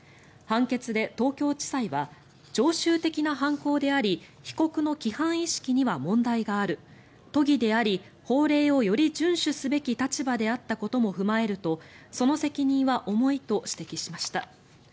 判決で東京地裁は常習的な犯行であり被告の規範意識には問題がある都議であり法令をより順守すべき立場であったことも踏まえるとその責任は重いと指摘しました。